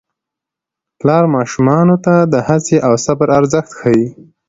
پلار ماشومانو ته د هڅې او صبر ارزښت ښيي